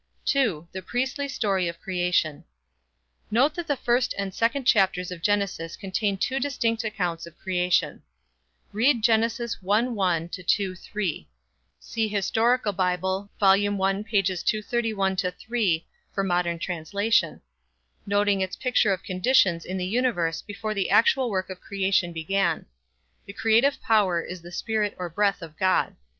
II. THE PRIESTLY STORY OF CREATION. Note that the first and second chapters of Genesis contain two distinct accounts of creation. Read Genesis 1:1 2:3 (see Hist. Bib., I, pp. 231 3 for modern translation), noting its picture of conditions in the universe before the actual work of creation began. The creative power is the spirit or breath of God.